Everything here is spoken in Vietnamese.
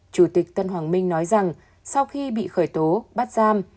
chủ tịch tân hoàng minh nói rằng sau khi bị khởi tố bắt giam